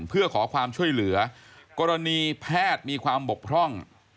เพื่อขอความช่วยเหลือกรณีแพทย์มีความบกพร่อง